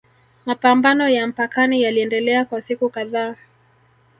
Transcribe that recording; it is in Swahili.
Mapambano ya mpakani yaliendelea kwa siku kadhaa